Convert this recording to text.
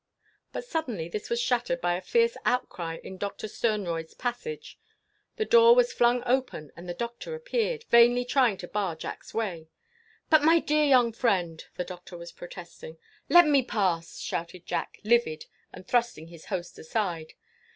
But suddenly this was shattered by a fierce outcry in Doctor Sternroyd's passage. The door was flung open and the Doctor appeared, vainly trying to bar Jack's way. "But, my dear young friend—" the Doctor was protesting. "Let me pass!" shouted Jack, livid, and thrusting his host aside.